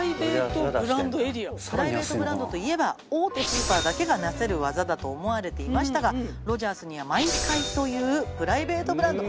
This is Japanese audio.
プライベートブランドといえば大手スーパーだけがなせる技だと思われていましたがロヂャースにはｍｙｋａｉというプライベートブランドが。